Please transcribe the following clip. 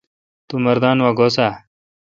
تو مردان وا گوسہ اؘ